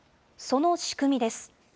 その仕組みです。